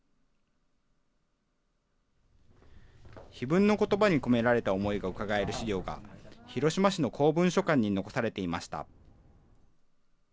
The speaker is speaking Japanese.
碑文のことばに込められた思いがうかがえる資料が、広島市の公文書館に残されていました。